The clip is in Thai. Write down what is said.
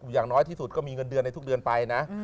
อย่างน้อยที่สุดก็มีเงินเดือนในทุกเดือนไปนะ